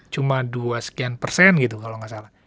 cuma dua sekian persen